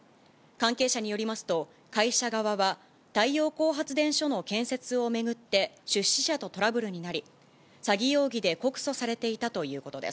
関係者によりますと、会社側は太陽光発電所の建設を巡って出資者とトラブルになり、詐欺容疑で告訴されていたということです。